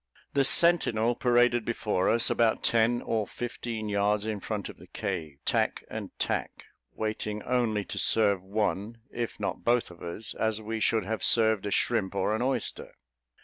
The sentinel paraded before us, about ten or fifteen yards in front of the cave, tack and tack, waiting only to serve one, if not both of us, as we should have served a shrimp or an oyster.